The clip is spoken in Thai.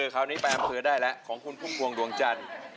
คราวนี้ไปอำเภอได้แล้วของคุณพุ่มพวงดวงจันทร์